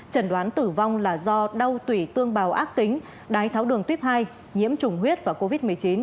trần đoán tử vong là do đau tủy tương bào ác tính đái tháo đường tuyếp hai nhiễm chủng huyết và covid một mươi chín